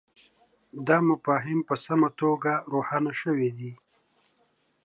دا مفاهیم په سمه توګه روښانه سوي دي.